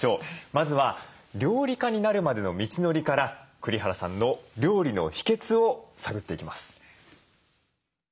まずは料理家になるまでの道のりから栗原さんの料理の秘けつを探っていきます。